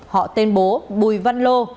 họ tên bố bùi văn lô